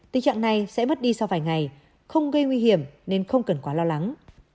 tình trạng này sẽ mất đi sau vài ngày không gây nguy hiểm nên không cần quá lo lắng